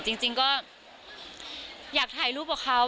จริงก็อยากถ่ายรูปกับเขา